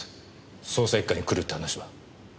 捜査一課に来るって話は？